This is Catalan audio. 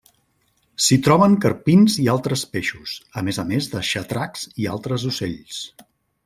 S'hi troben carpins i altres peixos, a més a més de xatracs i altres ocells.